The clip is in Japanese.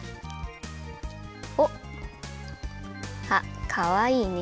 おっ！あっかわいいね。